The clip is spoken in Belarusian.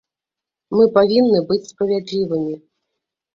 Мы павінны быць справядлівымі.